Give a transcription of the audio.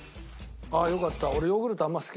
ああよかった。